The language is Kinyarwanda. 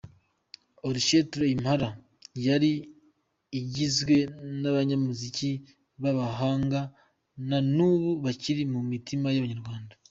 Orchestre Impala yari igizwe n'abanyamuziki b'abahanga nanubu bakiri mu mitima y'Abanyarwanda.